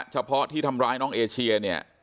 เฉพาะที่ทำร้ายน้องเอเชียเนี่ย